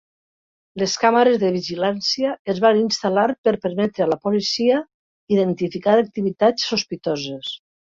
Les càmeres de vigilància es van instal·lar per permetre a la policia identificar activitats sospitoses.